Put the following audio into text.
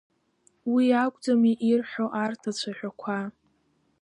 Уи акәӡами ирҳәо арҭ ацәаҳәақәа…